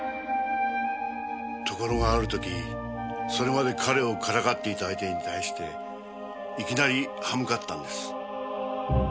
ところがある時それまで彼をからかっていた相手に対していきなり刃向かったんです。